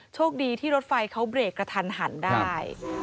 โชคดีที่รถไฟเขาเบรกกระทันหันได้